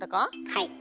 はい。